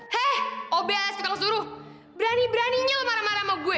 heh obs kita ngesuruh berani beraninya lo marah marah sama gue